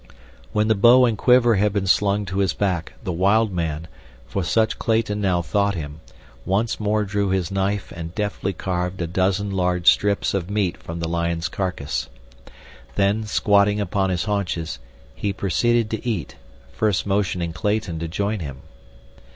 When the bow and quiver had been slung to his back the wild man, for such Clayton now thought him, once more drew his knife and deftly carved a dozen large strips of meat from the lion's carcass. Then, squatting upon his haunches, he proceeded to eat, first motioning Clayton to join him.